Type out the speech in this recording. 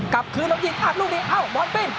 กลับคืนแล้วยิงอัดลูกนี้อ้าวบอลปิ้ง